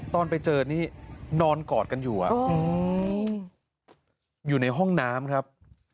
ตอนไปเจอนี่นอนกอดกันอยู่อยู่ในห้องน้ำครับ